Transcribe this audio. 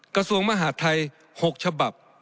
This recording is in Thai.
กระทรวงมหาดไทย๖ฉบับ